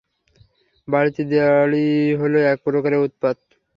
বাড়তি দাড়ি হলো এক প্রকারের উৎপাত।